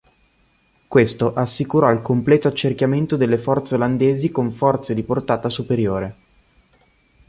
Questo assicurò il completo accerchiamento delle forze olandesi con forze di portata superiore.